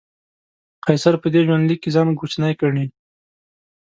قیصر په دې ژوندلیک کې ځان کوچنی ګڼي.